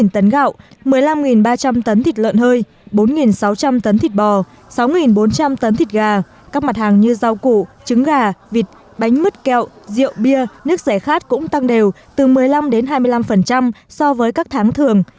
một mươi tấn gạo một mươi năm ba trăm linh tấn thịt lợn hơi bốn sáu trăm linh tấn thịt bò sáu bốn trăm linh tấn thịt gà các mặt hàng như rau củ trứng gà vịt bánh mứt kẹo rượu bia nước rẻ khát cũng tăng đều từ một mươi năm đến hai mươi năm so với các tháng thường